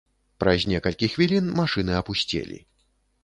Праз некалькі хвілін машыны апусцелі.